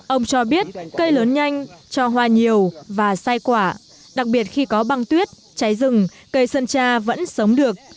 ông cho biết cây lớn nhanh cho hoa nhiều và sai quả đặc biệt khi có băng tuyết cháy rừng cây sơn tra vẫn sống được